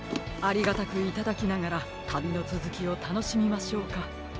ありがたくいただきながらたびのつづきをたのしみましょうか。